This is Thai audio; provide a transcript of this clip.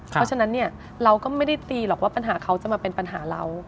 เพราะฉะนั้นเนี่ยเราก็ไม่ได้ตีหรอกว่าปัญหาเขาจะมาเป็นปัญหาเรา